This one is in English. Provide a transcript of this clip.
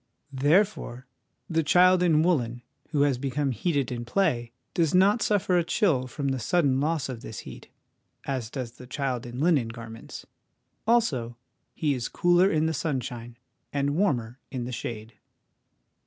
Therefore the child in woollen, who has become heated in play, does not suffer a chill from the sudden loss of this heat, as does the child in linen garments ; also, he is cooler in the sunshine, and warmer in the shade.